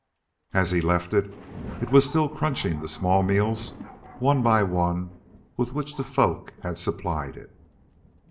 As he left it, it was still crunching the small meals, one by one, with which the folk had supplied it.